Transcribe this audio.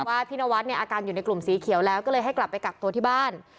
ว่าพี่นวัดเนี่ยอาการอยู่ในกลุ่มสีเขียวแล้วก็เลยให้กลับไปกักตัวที่บ้าน